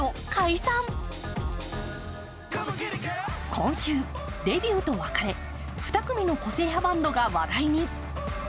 今週、デビューと別れ２組の個性はバンドが話題に。